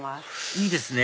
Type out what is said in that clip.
いいですね